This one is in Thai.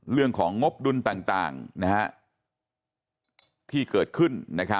ของงบดุลต่างที่เกิดขึ้น